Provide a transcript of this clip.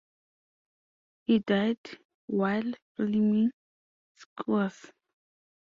He died while filming skuas.